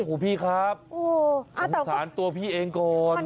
โอ้โหพี่ครับสงสารตัวพี่เองก่อน